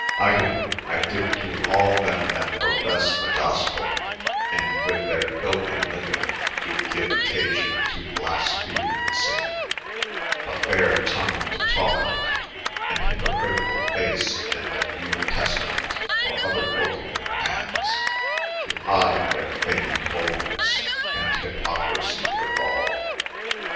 Item, I geue to all them that professe the Q ospell, and with their filthy linyng doo gene occasion to blaspheme the same, a fayre tongue to talke of it, an hipocriticall face, and a newe Testament or other Booke in their handes, to hyde their feined holynesse, & hipocrisye with all.